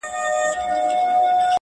ورځه ورځه تر دکن تېر سې!!